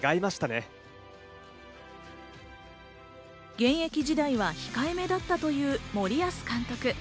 現役時代は控えめだったという森保監督。